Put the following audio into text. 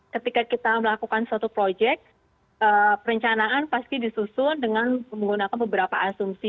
ketika kita melakukan suatu proyek perencanaan pasti disusun dengan menggunakan beberapa asumsi